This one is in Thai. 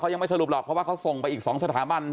ยังไม่สรุปหรอกเพราะว่าเขาส่งไปอีก๒สถาบัน